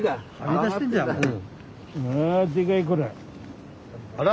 まあでかいこら。